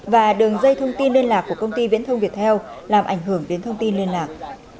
và đường dây thông tin liên lạc của công ty viễn thông việt theo làm ảnh hưởng đến thông tin liên lạc